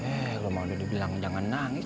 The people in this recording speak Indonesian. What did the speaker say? eh kalau mau udah dibilang jangan nangis